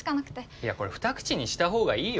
いやこれ２口にした方がいいよ。